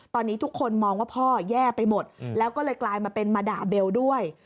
ตอนนี้ทุกคนมองว่าพ่อแย่ไปหมดแล้วก็เลยกลายมาเป็นมาด่าเบลด้วย